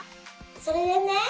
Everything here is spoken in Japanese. それでね